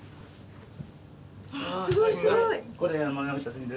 あすごいすごい！